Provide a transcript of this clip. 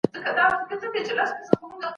خلیفه باید د خلګو ستونزي واوري.